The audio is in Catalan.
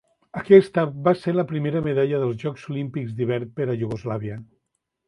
Aquesta va ser la primera medalla dels Jocs Olímpics d'Hivern per a Iugoslàvia.